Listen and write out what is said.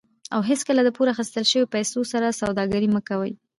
او هیڅکله د پور اخیستل شوي پیسو سره سوداګري مه کوئ.